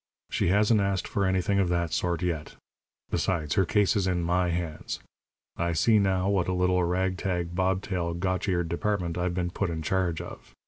She hasn't asked for anything of that sort yet. Besides, her case is in my hands. I see now what a little, rag tag, bob tail, gotch eared department I've been put in charge of.